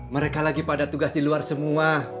mereka lagi pada tugas di luar semua